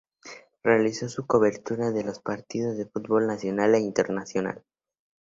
Realizó la cobertura de partidos de fútbol nacional e internacional.